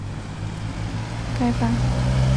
审议通过的元老院决定从次年一月起施行该法。